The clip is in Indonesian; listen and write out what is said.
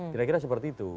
kira kira seperti itu